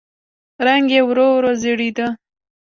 رنګ يې ورو ورو زېړېده.